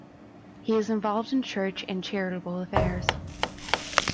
He is involved in church and Charitable affairs.